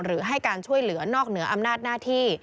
หรือให้การช่วยเหลือนอกเหนืออำนาจหน้าที่